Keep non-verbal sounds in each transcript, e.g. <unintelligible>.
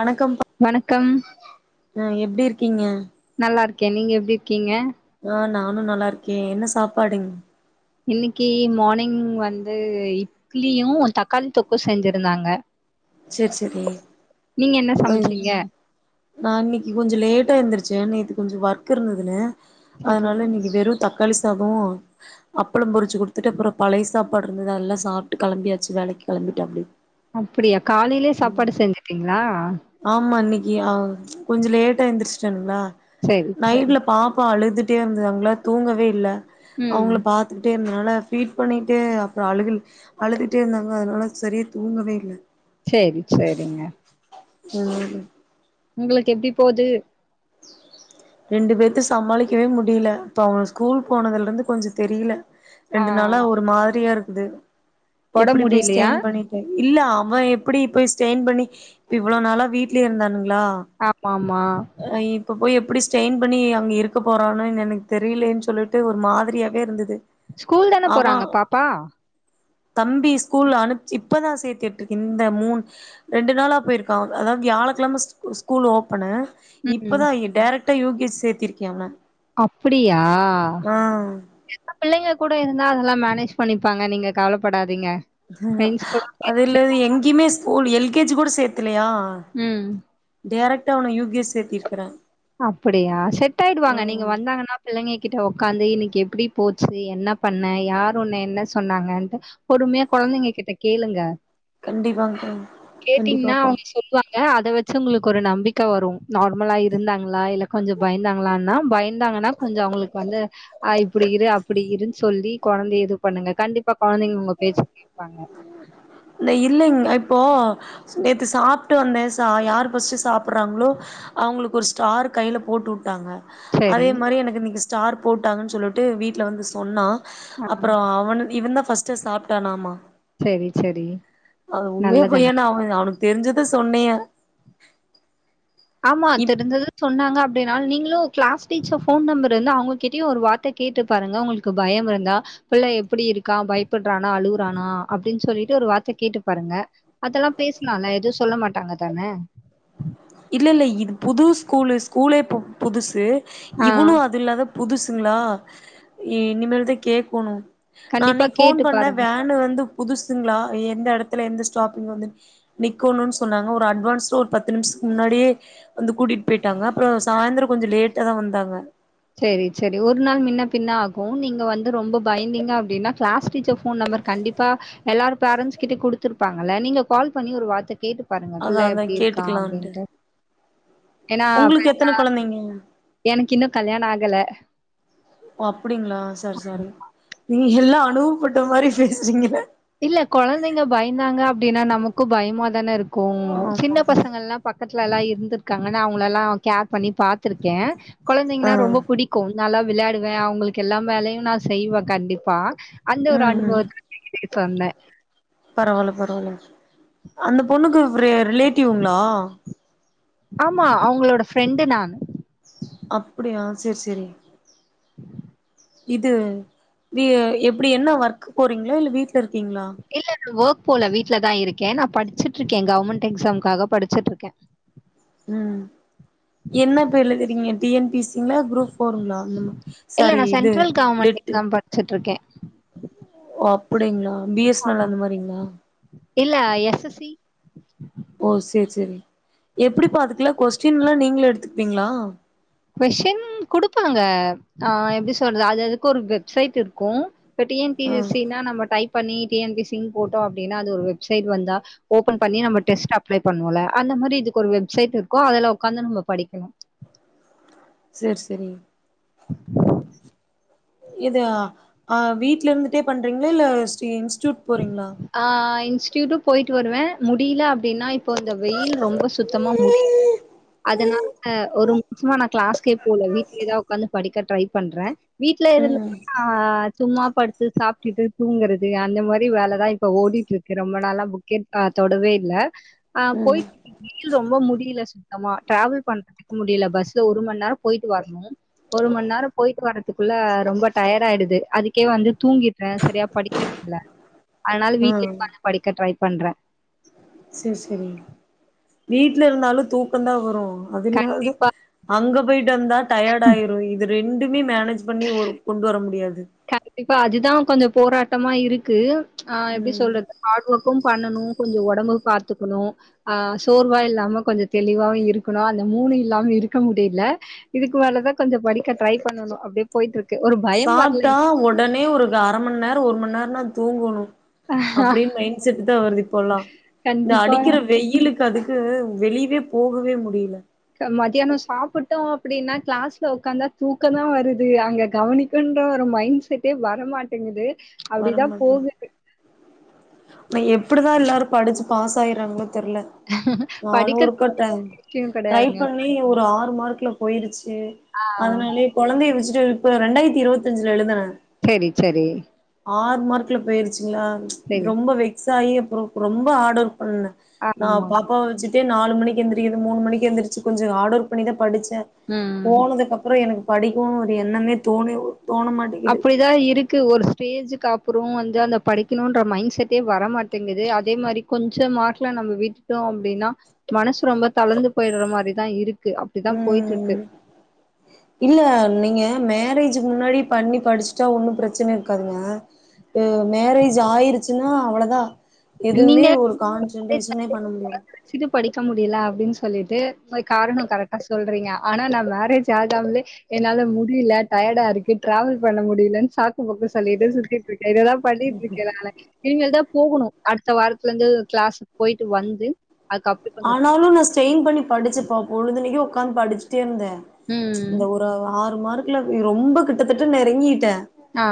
வணக்கம் வணக்கம் அ எப்டி இருக்கீங்க நல்லார்க்கே நீங்க எப்டி இர்க்கீங்க ஆ நானு நல்லார்க்கே என்ன சாப்பாடுங் இன்னிக்கி மார்னிங் வந்து இட்லியு தக்காளி தொக்கு செஞ்சிருந்தாங்க சேர் செரி நீங்க என்ன சமச்சீங்க நா இன்னிக்கி கொஞ்ச லேட்டா எந்திருச்சே நேத்து கொஞ்ச ஒர்க் இருந்துதுனு அதுனால இன்னிக்கி வெறு தக் காளி சாதோ அப்பளோ பொரிச்சு குடுத்துட்டு அப்றோ பழைய சாப்பாடு இருந்ததெல்லா சாப்ட்டு கெளம்பியாச்சு வேலைக்கு கெளம்பிட்டே அப்டியே அப்டியா காலைலே சாப்பாடு செஞ்சுட்டீங்ளா ஆமா இன்னிக்கி அ கொஞ்ச லேட்டா எந்திரிஸ்ட்டன்ங்ளா செரி செரி நைட்ல பாப்பா அழுதுட்டே இருந்ததங்ளா தூங்கவே இல்ல ம் அவங்கள பா த்துக்கிட்டே இருந்தனால ஃபீட் பண்ணீட்டு அப்றோ அழுகல் அழுதுட்டே இருந்தாங்களா அதனால சரியா தூங்கவே இல்ல சேரி சரிங்க ம் உங்களுக் எப்டி போது உ ரெண்டு பேத்த சமாளிக்கவே முடியல இப்ப அவங்க ஸ்கூல் போனதுல இருந்து கொஞ்சோ தெரியல ஆ ரெண்டு நாளா ஒரு மாரியா இருக்குது ஒடம்பு எப்படி போய் முடியலையா ஸ்டெயின் பண்ணி ஏய் இல்ல அவ எப்படி இப்பேய் ஸ்டெயின் பண்ணி இ இவ்ளோ நாளா வீட்லயே இருந்தானுங்ளா ஆமாமா அ இப்போ போய் எப்படி ஸ்ட்டெயின் பண்ணி அங்க இருக்க போறானோனு எனக்கு தெரியலேன் சொல்லிட்டு ஒரு மாதிரியாவே இருந்தது ஸ்கூல் தான அவ போறாங்க பாப்பா தம்பி ஸ்கூல்ல அனுப்ச்சி இப்பதா சேத்தி விட்ருக்கே இந்த மூன் ரெண்டு நாளா போயிருக்கா அதாவது வியாழக்கெழம ஸ் ஸ்கூல் ஓப்பனு ம் இப்பதா டேரக்டா யு கேஜ் சேத்திருக்கே அவன அப்படியா ஆ <inaudible> பிள்ளைங்க கூட இருந்தா அதெல்லா மேனேஜ் பண்ணிப்பாங்க நீங்க கவலப்படாதீங்க அது இலது எங்கேயுமே ஸ்கூல் எல் கே ஜி கூட சேத்திலயா ம் டேரக்டா அவன யு கே ஜி சேத்தியிருக்கிறே அப்டியா செட் ஆயிடுவாங்க நீங்க வந்தாங்கன்னா பிள்ளைங்க கிட்ட உக்காந்து இன்னைக்கு எப்டி போச்சு என்ன பண்ணே யார் உன்ன என்ன சொன்னாங்கன்ட்டு பொறுமையா கொழந்தைங்க கிட்ட கேளுங்க கண்டிப்பாங்க கேட்டீங்ன்னா அவங்க சொல் வாங்க அத வச்சு உங்களுக் ஒரு நம்பிக்க வரு நார்மலா இருந்தாங்களா இல்ல கொஞ்சோ பயந்தாங்களானா பயந்தாங்கன்னா கொஞ்சோ அவங்களுக் வந்து ஆ இப்படி இரு அப்படி இருன் சொல்லி கொழந்தைய இது பண்ணுங்க கண்டிப்பா கொழந்தைங்க உங்க பேச்ச கேப்பாங்க இல்ல இல்லைங்க இப்போ நேத்து சாப்ட்டு வந்தே சா யார் ஃபஸ்ட்டு வந்து சாப்பிட்றாங்களோ அவங்களுக் ஒரு ஸ்டார் கையில போட்டு வுட்டாங்க சரி. அதே மாரி எனக் இன்னைக்கு ஸ்டார் போட்டாங்கன் சொல்லிட்டு வீட்ல வந்து சொன்னா ஆ அப்புறோ அவனு இவன் தா ஃபர்ஸ்டே சாப்டானாமா சரி சரி அது உண்மையோ நல்லது பொய்யானு அவனுக் அவனுக்கு தெரிஞ்சத சொன்னே ஆமா இப் தெரிஞ்சது சொன்னாங்க அப்டின்னா நீங்களு கிளாஸ் டீச்சர் போன் நம்பர் இருந்தா அவங்ககிட்டயு ஒரு வார்த்த கேட்டு பாருங்க உங்களுக் கு பயம் இருந்தா பிள்ள எப்படி இருக்கா பயப்புடுறானா அழுவுறானா அப்படின் சொல்லிட்டு ஒரு வார்த்த கேட்டு பாருங்க அதெல்லா பேசலால்ல எதுவு சொல்ல மாட்டாங்க தான இல்ல இல்ல இது புது ஸ்கூலு ஸ்கூலே இப்ப புதுசு ஆ இவனு அது இல்லாத புதுசுங்ளா ஏ இனிமேல்தா கேக்கணு நா கண்டிப்பா அன்னைக் கேட்டு போன் பண்ணே பாருங்க. வே னு வந்து புதுசுங்ளா எந்த எடத்துல எந்த ஸ்டாப்பிங் வந்து நிக்கோனோன் சொன்னாங்க ஒரு அட்வான்ஸ்டா ஒரு பத்து நிமிஷ முன்னாடியே வந்து கூட்டிட்டு போயிட்டாங்க அப்புறோ சாயந்தரோ கொஞ்சோ லேட்டா தா வந்தாங்க செரி செரி ஒரு நாள் முன்ன பின்ன ஆகு நீங்க வந்து ரொம்ப பயந்திங்க அப்டின்னா கிளாஸ் டீச்சர் போன் நம்பர் கண்டிப்பா எல்லார் பேரன்ட்ஸ் கிட்டயு குடுத்துருப்பாங்கள்ள நீங்க கால் பண்ணி ஒரு வார்த்த கேட்டு பாருங்க அதா புள்ள அதா எப்டி இருக்கா கேட்டுக்கலான்ட்டு அப்டின்ட்டு ஏனா <inaudible> உங்களுக்கு எத்தன கொழந்தைங்க எனக்கு இன்னு கல்யாண ஆகல ஓ அப்டிங்களா சாரி சாரி நீங்க எல்லா அனுபப்பட்ட மாரி பேசுறீங்க இல்ல கொழந்தைங்க பயந்தாங்க அப்டின்னா நமக்கும் பயமா தான இருக்கும் ஆமா சின்ன ஆமா பசங்கள் எல்லாம் பக்கத்துலல்லாம் இருந்திருக்காங்க அவங்கள எல்லாம் கேர் பண்ணி பாத்திருக்கேன் ஆ கொழந்தைங்கன்னா ரொம்ப பிடி நல்லா விளையாடுவேன் அவூங்களுக்கு எல்லாம் வேலையும் நான் செய்வேன் கண்டிப்பா அந்த ஒரு ம் அனுபவத்த சொன்னே பரவால பரவால அந்த பொண்ணுக்கு ரிலேட்டிவ்ங்ளா ஆமா அவுங்களோட ஃப்ரெண்டு நா அப்டியா சேரி சேரி <inaudible> இது எப்டி என்ன ஒர்க் போறீங்களா இல்ல வீட்ல இருக்கீங்களா இல்ல நா ஒர்க் போல வீட்லதா இருக்கே நா படிச்சுட்டு இருக்கே கவர்ன்மெண்ட் எக்ஸாம்காக படிச்சிட்டு இருக்கே உம் என்ன பேர்ல எழுதுரிங்க டிஎன்பிசி இல்ல குரூப் ஃபோருங்களா சாரி இது டெட் வச்சுட் இருக்கே ஓ அப்டிங்களா பிஎஸ்னல் அந்த மாரிங்களா இல்ல எஸ்எஸ்சி ஓ சேரி சேரி எப்டிப்பா அதுக்கலா கொஸ்டின் எல்லா நீங்களே எடுத்துப்பீங்களா கொஸின் குடுப்பாங்க ஆ எப்டி சொல்றது அது அதுக்கு ஒரு வெப்சைட் இருக்கு இப்போ டிஎன்பி ஆ சின்னா நம்ம டைப் பண்ணி டிஎன்பிசின்னு போட்டா அப்டின்னு ஒரு வெப்சைட் வந்தா ஓபன் பண்ணி நம்ம டெஸ்ட் அப்ளை பண்ணுவோல அந்த மாரி இதுக்கு ஒரு வெப்சைட் இருக்கு அதுல உக்காந்து நம்ம படிக்கணு சேர் செரி <inaudible> இது அ வீட்ல இருந்துட்டே பண்றீங்களா இல்ல இன்ஸ்டூட் போறீங்ளா அ இன்ஸ்டியூட்டும் போயிட்டு வருவேன் முடியல அப்டின்னா இப்போ இந்த வெயில் ரொம்ப சுத்தமா முடி அதனால ஒரு மாசமா நான் கிளாஸ்கே போல வீட்லயே தான் உக்காந்து படிக்க ட்ரை பண்றேன் வீட்ல ம் இருந்துட்டு நா சும்மா படிச்சு ட்டு சாப்டுட்டு தூங்கறது அந்த மாரி வேலைதான் இப்ப ஓடிட்டு இருக்கு ரொம்ப நாளா புக்கே தொடவே இல்ல அ போயிட் வெயில் ரொம்ப முடியல சுத்தமா டிராவல் பண்றதுக்கு முடியல பஸ்ல ஒரு மணி நேரம் போயிட்டு வரணும் ஒரு மணி நேரோம் போயிட்டு வர்றதுக்குள்ள ரொம்ப டயர்ட ஆயிடுது அதுக்கே வந்து தூங்கிடுறேன் சரியா படிக்கிறது இல்ல அதனால ஆ வீட்லயே உக்காந்து படிக்க ட்ரை பண்றேன் சேரி சேரி வீட்ல இருந்தாலும் தூக்கம் தான் வரும் அது இல்லாது கண்டிப்பா அங்க போயிட்டு வந்தா டயர்ட் ஆயிரும் இது ரெண்டுமே மேனேஜ் பண்ணி ஒரு கொண்டு வர முடியாது கண்டிப்பா அதுதான் கொஞ்சம் போராட்டமா இருக்கு ஆ எப்டி ம் சொல்றது ஹார்ட் ஒர்க்கும் பண்ணணும் கொஞ்சம் உடம்பும் பாத்துக்கணும் அ சோர்வா இல்லாம கொஞ்சம் தெளிவாவும் இருக்கணும் அந்த மூணு இல்லாம இருக்க முடியல இதுக்கு மேலதான் கொஞ்சோ படிக்க ட்ரை பண்ணணும் அப்டி போயிட் இருக்கு ஒரு பயம் சாப்ட்டா வரல உடனே ஒரு அர மணி நேரம் ஒரு மணி நேரம்னா தூங்கணும் அப்டின்னு மைண்ட் செட் தான் வருது இப்போல்லாம் இந்த கண்டிப்பா அடிக்கிற வெயிலுக்கு அதுக்கு வெளியவே போகவே முடியல மத்தியானம் சாப்ட்டோம் அப்டின்னா கிளாஸ்ல உக்காந்தா தூக்கம் தான் வருது அங்க கவனி இருக்குன்ற ஒரு மைண்ட் செட்டே வரமாட்டேங்குது அப்டிதா வரமாட்டிங் போகு இப் எப்டிதா எல்லாரு படிச்சு பாஸ் ஆயிறாங்களோ தெரில நானு படிக்கிற இருக்கட்ட விஷ்யோ ட்ரை கெடையாதுங்க பண்ணி ஏ ஒரு ஆறு மார்க்ல போயிருச்சு ஆ அதுனாலே கொழந்தையை வச்சிட்டு இப்ப ரெண்டாயிரத்தி இருவத்தி அஞ்சுல எழுதுனே சேரி சேரி ஆறு மார்க்ல போயிருச்சுங்ளா செரி ரொம்ப வெக்ஸ் ஆயி அப்றோ ரொம்ப ஹார்ட் ஒர்க் பண்ண நா ஆமா பாப்பாவ வச்சிட்டே நாலு மணிக்கு எழுந்திக்கிறது மூணு மணிக்கு எழுந்திருச்சி கொஞ்சோ ஹார்ட் ஒர்க் பண்ணிதா படிச்சே ம் போனதுக்கப்றோ எனக்கு படிக்குனு ஒரு எண்ணமே தோனு தோண மாட் அப்டிதா இருக் க்கு ஒரு ஸ்டேஜுக்கு அப்றோ வந்து அந்த படிக்கணுன்ற மைண்ட செட்டே வர மாட்டேங்குது அதே மாரி கொஞ்சோ மார்க்ல நம்ம விட்டுட்டோ அப்டின்னா மனசு ரொம்ப தளர்ந்து போயிடுற மாரிதா இருக்கு அப் இப்டி தா போயிட்டு இருக்கு ம் இல்ல நீங்க மேரேஜ்க்கு முன்னாடி பண்ணி படிச்சுட்டா ஒன்னு பிரச்சன இருக்காதுங்க இ மேரேஜ் ஆயிருச்சுன்னா அவ்ளோதா எதுவுமே ஒரு கான்சன்ட்ரேஷனே பண்ண முடியாது வச்சிட்டு படிக்க முடியல அப்டின்னு சொல்லிட்டு போய் காரணோ கரெக்டா சொல்றீங்க ஆனா நா மேரேஜ் ஆகாமலே என்னால முடியல டயடா இருக்கு டிராவல் பண்ண முடியலன்னு சாக்குபோக்கு சொல்லிட்டு சுத்திட்டு இருக்கே இததா பண்ணிட்டு இருக்கே நானு இனி மேல் தா போகுணு அடுத்த வாரத்துலருந்து கிளாஸ் போயிட்டு வந்து அதுக்கப்றோ கொஞ்ச ஆனாலு நா ஸ்டெயின் பண்ணி படிச்சப்பா பொழுதுன்னிக்கு உக்காந்து படிச்சுட்டே இருந்தே ம் இந்த ஒரு ஆறு மார்க்குல ரொம்ப கிட்டத்திட்ட நெருங்கிட்டே ஆ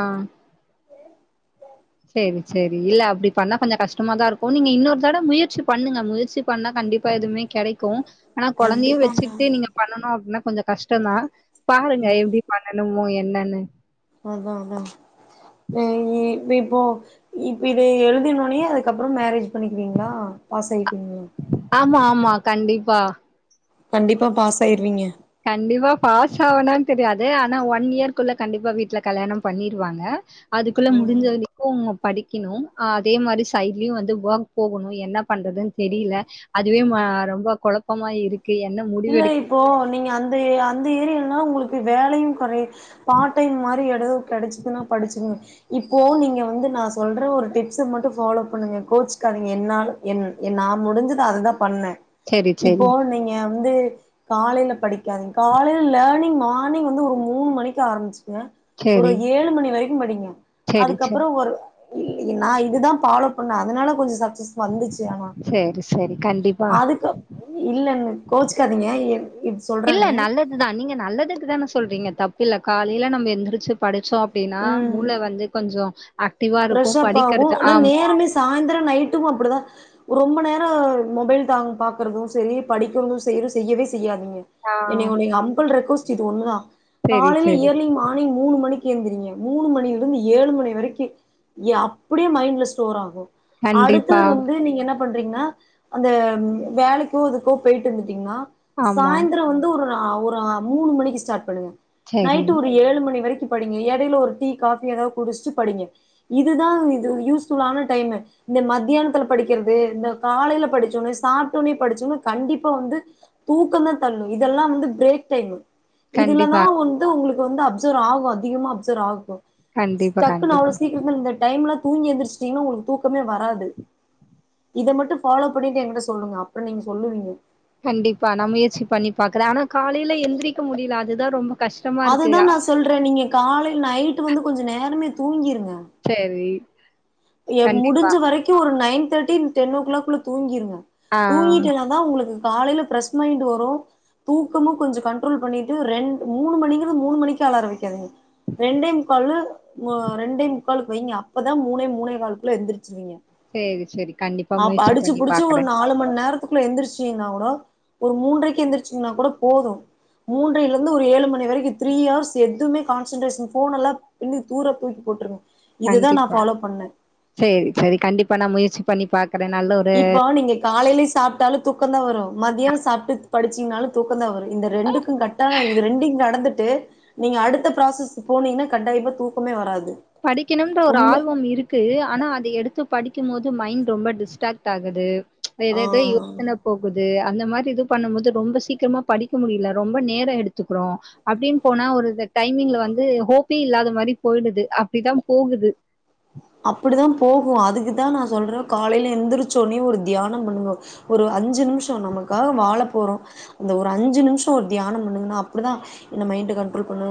சேரி சேரி இல்ல அப்டி பண்ணா கொஞ்சோ கஷ்டமா தா இருக்கு நீங்க இன்னொரு தடவ முயற்சி பண்ணுங்க முயற்சி பண்ணா கண்டிப்பா எதுமே கெடைக்கு ஆனா கொழந்தையு கண்டிப்பாங்க வச்சுகிட்டு நீங்க பண்ணனு அப்டின்னா கொஞ்சோ கஷ்டோ தா பாருங்க எப்டி பண்ணலமோ என்னன்னு அதா அதா இ இப்போ இப்ப இத எழுதினோனே அதுக்கப்றோ மேரேஜ் பண்ணிக்கிவீங்ளா பாஸ் ஆகிட்டிங்ளா ஆமா ஆமா கண்டிப்பா கண்டிப்பா பாஸ் ஆயிருவீங்க கண்டிப்பா பாஸ் ஆவானான்னு தெரியாது ஆனா ஒன் இயர்க்குள்ள கண்டிப்பா வீட்ல கல்யாணோ பண்ணிருவாங்க அதுக்குள்ள முடிஞ்ச ம் வரியு குங்கோ படிக்குணு அதே மாரி சைட்லியு வந்து ஒர்க் போவுணு என்ன பண்றதுனு தெரியில அதுவே மா ரொம்ப கொழப்பமா இருக்கு என்ன முடிவு இல்ல எடுக் இப்போ நீங்க அந்த ஏ அந்த ஏரியல்னா உங்களுக்கு வேலையு கொறையுது பார் டைம் மாரி எடவோ கெடைச்சிதுன்னா படிச்சிருன்னு இப்போ நீங்க வந்து நா சொல்ற ஒரு டிப்ஸ மட்டு ஃபாலோ பண்ணுங்க கோச்சிக்காதீங்க என்னால என் என் நா முடிஞ்சத அததா பண்ண சரி, சரி, இப்போ நீங்க வந்து காலையில படிக்காதீங்க காலையில லேர்னிங் மார்னிங் வந்து ஒரு மூணு மணிக்கு ஆரம்பிச்சிக்கிங்க ஒரு சரி, ஏழு மணி வரைக்கு படிங்க சரி, சரி, அதுக்கப்றோ ஒரு இல்ல நா இதுதா ஃபாலோ பண்ண அதுனால கொஞ்சோ சக்சஸ் வந்துச்சி ஆனா சரி, சரி. கண்டிப்பா. அதுக்கப் இல்லன்னு கோச்சிக்காதீங்க இத் இது சொல்றன்னு நல்லதுதா நீங்க நல்லதுக்கு தான சொல்றீங்க தப்பில்ல காலையில நம்ம எந்திரிச்சி படிச்சோ அப்டின்னா ம் மூள வந்து கொஞ்ச ஆக்டிவா இருக்கு படிக்கிறது ஆமா சாய்ந்திர நைட்கு அப்டிதா ரொம்ப நேர மொபைல் தா பாக்கறது செரி படிக்கிறது செரி செய்யவே செய்யாதுங்க ஆ என்னை உன்னை அம்புல் ரெக்வஸ்ட் இது ஒண்ணுதா சரி, காலைல சரி. இயர்லிங் மார்னிங் மூணு மணிக்கி எந்தி நீங்க மூணு மணிலருந்து ஏழு மணி வரைக்கி ஏ அப்டியே மைண்ட்ல ஸ்டோர் ஆகு கண்டிப்பா அடுத்தது வந்து நீங்க என்னப் பிட்றீங்கனா அந்த வேலைக்கோ இதுக்கோ போயிட்டு இருந்துட்டீங்கனா ஆமா சாய்ந்திர வந்து ஒரு அ ஒரு அ மூணு மணிக்கு ஸ்டார்ட் பண்ணுங்க சரி நைட் ஒரு ஏழு மணி வரைக்கு படிங்க எடைல ஒரு டீ காபி ஏதாது குடிச்ட்டு படிங்க இதுதா இது யூஸ்ஃபுல்லான டைமு இந்த மத்தியானத்துல படிக்கிறது இந்த காலைல படிச்சோனே சாப்ட்டோனே படிச்சோங் கண்டிப்பா வந்து தூக்கந்தா தள்ளு இதெல்லா வந்து பிரேக் டைமு இதுலநா கண்டிப்பா வந்து உங்ளுக்கு வந்து அப்சர்வ் ஆகு அதிகமா அப்சர்வ் ஆகு கண்டிப்பா டக்குன்னு அவ்ளோ கண்டிப்பா சீக் இன்னு இந்த டைம்ல தூங்கி எழுந்துரிச்சிட்டீங்னா உங்ளுக்கு தூக்கமே வராது இத மட்டு ஃபாலோ பண்ணிட்டு எங்கிட்ட சொல்லுங்க அப்றோ நீங்க சொல்லுவீங்க கண்டிப்பா நா முயற்சி பண்ணி பாக்ற ஆனா காலில எந்திரிக்க முடில அதுதா ரொம்ப கஷ்டமா இருக்கு அதுதா அ நா சொல்ற நீங்க காலைல நைட் வந்து கொஞ்சோ நேரமே தூங்கிருங்க சேரி எ முடிஞ்ச வரைக்கு ஒரு நைன் தேர்ட்டி டென் ஓ கிளாக்குள்ள தூங்கிருங்க ஆ தூங்கிட்டு எழுந் தா உங்கக்கு காலைல ஃபிரெஷ் மைண்ட் வரு தூக்கமு கொஞ்ச கண்ட்ரோல் பண்ணிட்டு ரெண் மூணு மணிங்கிறது மூணு மணிக்கு அலார வெக்காதீங்க ரெண்டே முக்காலு ரெண்டே முக்காலுக்கு வைங்க அப்பதா மூணே மூணு மூணே காலுக்குள்ள எந்திரிச்சிருவீங் சரி சரி கண்டிப்பா அப் முயற்சி அடிச்சி பண்ணி புடிச்சி ஒரு பாக்குறே நாலு மண் நேரத் துல எந்திரிச்சிங்னா கூட ஒரு மூன்றரைக்கு எந்திரிச்சிங்னா கூட போது மூன்றைல இருந்து ஒரு ஏழு மணி வரைக்கு த்ரீ ஹவர்ஸ் எதுமே கான்சன்ட்ரேஷன் ஃபோன் எல்லா பின்னுக் தூர தூக்கி போட்ருவ கண்டிப்பா சேரி சேரி கண்டிப்பா நா முயற்சி பண்ணி பாக்குற நல்ல இப்போ நீங்க காலைல்லே சாப் ட்டாலு தூக்கந்தா வரு மதியான சாப்ட்டு படிச்சிங்னாலு தூக்கந்தா வரு இந்த ரெண்டுக்கு கட்டாயோ இந்த ரெண்டைங் கட ந்து வந்துட்டு நீங்க அடுத்த ப்ராசஸ் போனீங்கனா கட்டாய்மா தூக்கமே வராது படிக்ணுன்ற ஒர் உண்ம ஆர்வம் இரு க்கு ஆனா அத எடுத்து படிக்கு போது மைண்ட் ரொம்ப டிஸ்ட்ராக்ட் ஆகுது ஏதேதோ ஆ யோசன போகுது அந்த மாரி இது பண்ணும் போது ரொம்ப சீக்கிரமா படிக்க முடில ரொம்ப நேர எடுத்துக்றோ அப்டின் போனா ஒரு இத டைமிங்ல வந்து ஹோப்பே இல்லாத மாரி போயிடுது அப்டிதா போகுது அப்டித்தா போகு அதுக்குதா நா சொல்ற காலைல எந்திரச்சோனே ஒரு தியானம் பண்ங்கோ ஒரு அஞ்சு நிமிஷோ நமக்காக வாழப்போறோ அந்த ஒரு அஞ்சு நிமிஷோ ஒரு தியானோ பண்ணுங்கனா அப்டிதா என்ன மைண்ட் கண்ட்ரோல் பண்ணு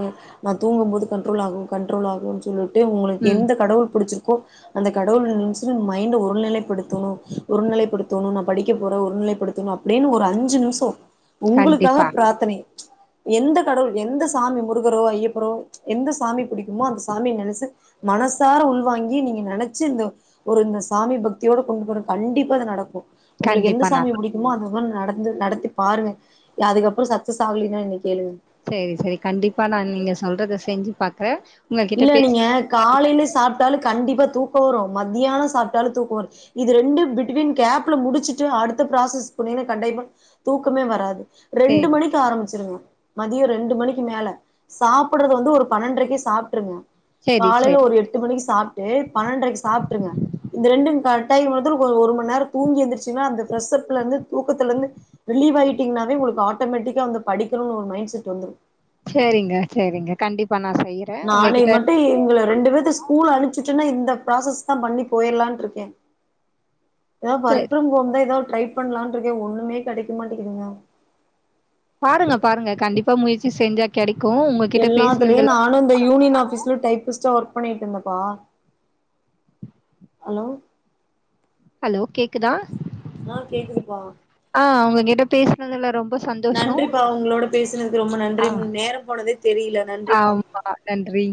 நா தூங்கும் போது கண்ட்ரோல் ஆகு கண்ட்ரோல் ஆகு சொல்லிட்டு உங்ளுக்கு ம் எந்த கடவுள் புடிச்சிருக்கோ அந்த கடவுள் நெனச்சு மைண்ட் ஒரு நிலை ப்படுத்தணு ஒரு நிலைப்படுத்தணு நா படிக்க போற ஒரு நிலைப்படுத்தணு அப்டின்னு ஒரு அஞ்சு நிமிஷோ உங்களுக்காக கண்டிப்பா பிராத்தனை எந்த கடவுள் எந்த சாமி முருகரோ ஐயப்பரோ எந்த சாமி புடிக்குமோ அந்த சாமிய நெனச்சு மனசார உள்வாங்கி நீங்க நெனச்சு இந்த ஒரு இந்த சாமி பக்தியோட கொண்டு போற கண்டிப்பா அது நடக்கோ உங்ளுக்கு எந்த கண்டிப்பா நா சாமி புடிக்கு மோ அதெல்லா நடந்து நடத்தி பாருங்க அதுக்கப்றோ சக்ஸஸ் ஆகலின்னா என்ன கேளுங்க செரி செரி கண்டிப்பா நா நீங்க சொல்றத செஞ்சு பாக்குற இல்ல நீங்க காலையில சாப்ட்டாலு கண்டிப்பா தூக்கோ வரு மத்தியானோ சாப்ட்டாலு தூக்கம் வரு இது ரெண்டு பிட்வீன் கேப்ல முடிச்சிட்டு அடுத்த ப்ராசஸ் பண்ணிங்க கண்டயப்ப தூக்கமே வராது ரெண்டு சேரி மணிக்கு ஆரம்பிச்சிருங்க மதியோ ரெண்டு மணிக்கு மேல சாப்புடுறது வந்து ஒரு பன்னென்றரைக்கு சாப்ட்டுருங்க சேரி காலையில சேரி ஒரு எட்டு மணிக்கு சாப்ட்டு பன்னென்ரைக்கு சாப்ட்டுருங்க இந்த ரெண்டு கட்டாயோ <unintelligible> ஒரு மணி நேரோ தூங்கி எழுந்துச்சிங்கனா அந்த ஃப்ரெஷப்லருந்து தூக்கத்துல இருந்து ரிலீவ் ஆயிட்டிங்கனாவே உங்களுக்கு ஆட்டோமேட்டிக்கா வந்து படிக்கணும்னு ஒரு மைண்ட் செட் வந்துடு செரிங்க செரிங்க கண்டிப்பா நா செய்ய நாளை மட்டு இவுங்கள ரெண்டு பேத்த ஸ்கூல் அனுபிச்சுட்டுன்னா இந்த ப்ராசஸ் தா பண்ணி போயிறலானு இருக்கே ஏதா சே ஒர்க் ஃப்ரம் ஹோம் தா ஏதாவ் ட்ரை பண்ணலான்னு இருக்க ஒண்ணுமே கெடைக்க மாட்டிகுது மேம் பாருங்க பாருங்க கண்டிப்பா முயற்சி செஞ்சா கிடைக்கோ உங்ககிட்ட பேசுனதுல த யூனியன் சந்தோஷம். ஆஃபீஸ்ல டைபிஸ்டா ஒர்க் பண்ணிட்டு இருந்தப்பா ஹலோ ஹலோ கேக்குதா ஆ கேக்குதுப்பா ஆ அவுங்க கிட்ட பேஸ் னதுல ரொம்ப சந்தோ நன்றிப்பா உங்களோட பேசுனதுக்கு ரொம்ப நன்றி ஆ நேரம் போனதே தெரியில நன்றிப்பா பா நன்றி